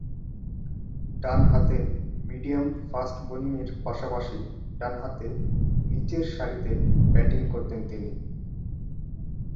ডানহাতে মিডিয়াম-ফাস্ট বোলিংয়ের পাশাপাশি ডানহাতে নিচেরসারিতে ব্যাটিং করতেন তিনি।